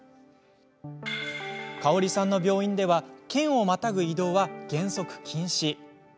かおりさんの病院では県をまたぐ移動は原則禁止。